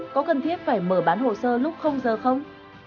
có cần thiết phải mở bán hồ sơ lúc giờ không